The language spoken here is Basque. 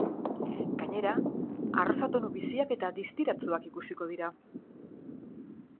Gainera, arrosa tonu biziak eta distiratsuak ikusiko dira.